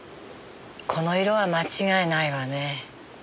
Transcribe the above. この色は間違いないわね。